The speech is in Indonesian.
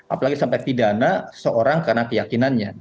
apalagi sampai pidana seorang karena keyakinannya